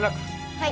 はい。